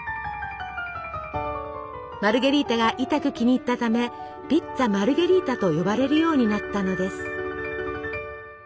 マルゲリータがいたく気に入ったため「ピッツァ・マルゲリータ」と呼ばれるようになったのです。